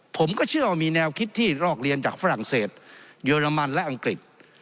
ผมก็เชื่อว่ามีแนวคิดที่รอกเรียนจากฝรั่งเศสเยอรมันและอังกฤษ